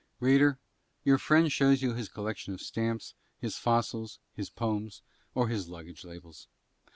Reader, your friend shows you his collection of stamps, his fossils, his poems, or his luggage labels.